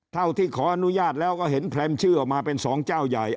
ที่ขออนุญาตแล้วก็เห็นแพร่มชื่อออกมาเป็นสองเจ้าใหญ่